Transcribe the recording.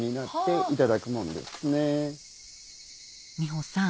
美穂さん